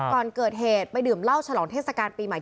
ก่อนเกิดเหตุไปดื่มเหล้าฉลองเทศกาลปีใหม่